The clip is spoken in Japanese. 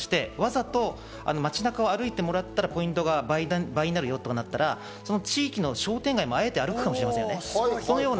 あとは地域活性化として、わざと街中を歩いてもらったらポイントが倍になるよとかになったら、その地域の商店街もあえて歩くかもしれませんね。